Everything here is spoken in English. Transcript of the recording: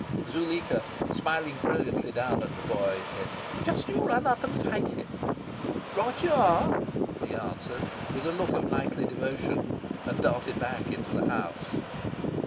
Zuleika, smiling brilliantly down at the boy, said "Just you run up and fight him!" "Right you are," he answered, with a look of knightly devotion, and darted back into the house.